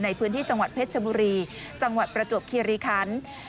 ในพื้นที่จังหวัดเพชรชบุรีจังหวัดประจวบคิริคัน